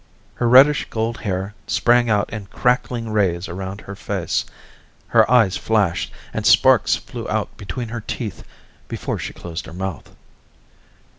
Her reddish gold hair sprang out in crackling rays around her face, her eyes flashed and sparks flew out between her teeth before she closed her mouth.